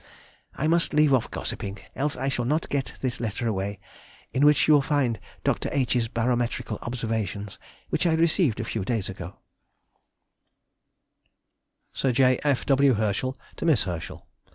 I must leave off gossiping, else I shall not get this letter away, in which you will find Dr. H.'s barometrical observations, which I received a few days ago.... [Sidenote: 1836 1837. Spots in the Sun.] SIR J. F. W. HERSCHEL TO MISS HERSCHEL.